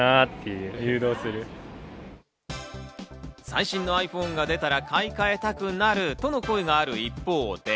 最新のｉＰｈｏｎｅが出たら買い換えたくなるとの声がある一方で。